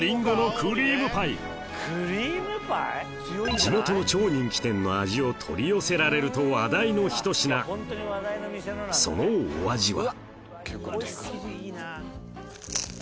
地元の超人気店の味を取り寄せられると話題の一品そのお味は？